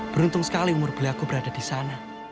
beruntung sekali umur beliaku berada di sana